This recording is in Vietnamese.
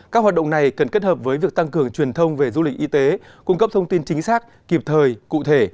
các hoạt động này cần kết hợp với việc tăng cường truyền thông về du lịch y tế cung cấp thông tin chính xác kịp thời cụ thể